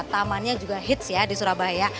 tamannya juga hits ya di surabaya